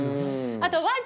あと。